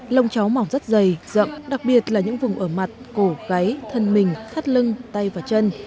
lông chó mỏng rất dày rộng đặc biệt là những vùng ở mặt cổ gáy thân mình khát lưng tay và chân